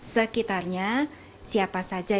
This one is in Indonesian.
sekitarnya siapa saja